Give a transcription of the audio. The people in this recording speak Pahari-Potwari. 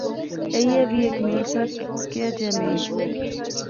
ایہہ وی ہیک میل سا، کیا جیا میل؟